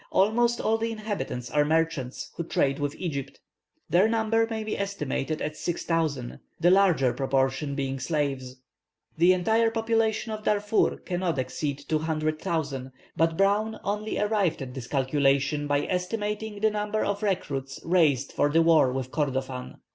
Almost all the inhabitants are merchants, who trade with Egypt. Their number may be estimated at six thousand, the larger proportion being slaves. The entire population of Darfur cannot exceed two hundred thousand, but Browne only arrived at this calculation by estimating the number of recruits raised for the war with Kordofan.